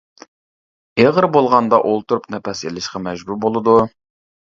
ئېغىر بولغاندا ئولتۇرۇپ نەپەس ئېلىشقا مەجبۇر بولىدۇ.